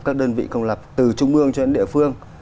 các đơn vị công lập từ trung ương cho đến địa phương